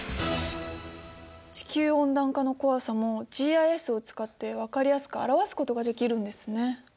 地球温暖化の怖さもＧＩＳを使って分かりやすく表すことができるんですね。